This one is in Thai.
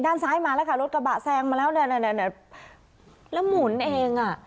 ด้านซ้ายมาแล้วค่ะรถกระบะแซงมาแล้วเนี่ยแล้วหมุนเองอ่ะ